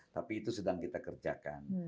tapi itu sedang kita kerjakan